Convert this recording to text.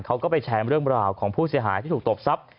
เขาก็ไปแชร์เรื่องราวของผู้เสียหายที่ถูกตบทรัพย